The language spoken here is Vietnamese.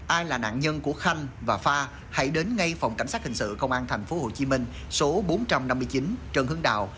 ai là nạn nhân của khanh và pha hãy đến ngay phòng cảnh sát hình sự công an thành phố hồ chí minh số bốn trăm năm mươi chín trần hưng đạo